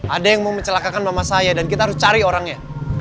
ada yang mau mencelakakan mama saya dan kita harus cari orangnya